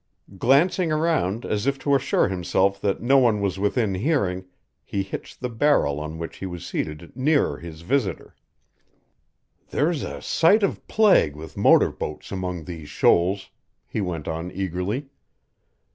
Glancing around as if to assure himself that no one was within hearing, he hitched the barrel on which he was seated nearer his visitor. "There's a sight of plague with motor boats among these shoals," he went on eagerly.